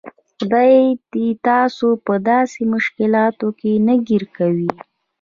خدای تاسو په داسې مشکلاتو کې نه ګیر کوي.